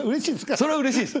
それはうれしいです。